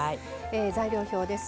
材料表です。